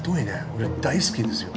俺大好きですよ